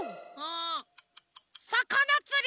んさかなつり！